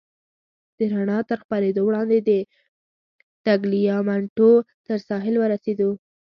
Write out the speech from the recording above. د رڼا تر خپرېدو وړاندې د ټګلیامنټو تر ساحل ورسېدو.